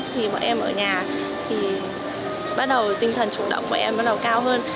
thì bọn em ở nhà thì bắt đầu tinh thần chủ động bọn em bắt đầu cao hơn